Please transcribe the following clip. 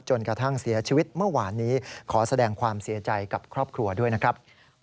จนกระทั่งเสียชีวิตเมื่อวานนี้ขอแสดงความเสียใจกับครอบครัวด้วยนะครับ